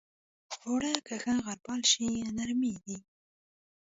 اوړه که ښه غربال شي، نرمېږي